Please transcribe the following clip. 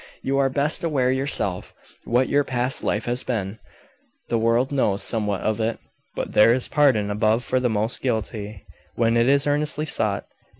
You are best aware, yourself, what your past life has been; the world knows somewhat of it; but there is pardon above for the most guilty, when it is earnestly sought.